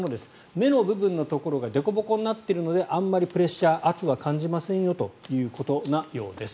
目の部分のところがでこぼこになっているのであまりプレッシャー、圧は感じませんよということのようです。